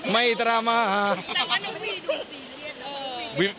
ไม่ตรามาก